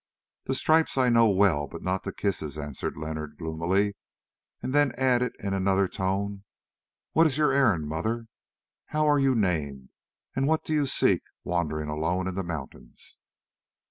"The stripes I know well, but not the kisses," answered Leonard gloomily; then added in another tone, "What is your errand, mother? How are you named, and what do you seek wandering alone in the mountains?"